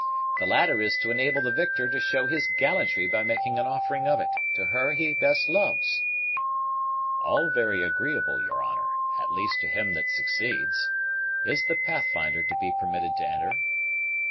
The latter is to enable the victor to show his gallantry by making an offering of it to her he best loves." "All very agreeable, your honor, at least to him that succeeds. Is the Pathfinder to be permitted to enter?"